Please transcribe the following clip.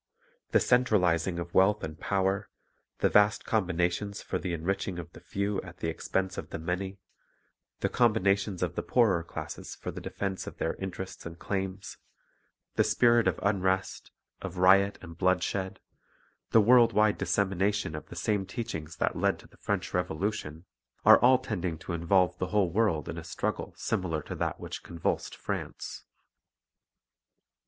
The centralizing of wealth and power; the vast combinations for the enriching of the few at the expense of the many; the combinations of the poorer classes for the defense of their interests and claims; the spirit of unrest, of riot and bloodshed; the world wide dissemination of the same teachings that led to the French Revolution, — all are tending to involve the whole world in a struggle similar to that which convulsed France.